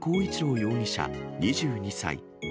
容疑者２２歳。